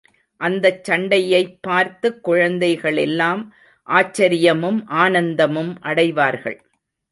அந்தச் சண்டையைப் பார்த்துக் குழந்தைகள் எல்லாம் ஆச்சரியமும் ஆனந்தமும் அடைவார்கள்.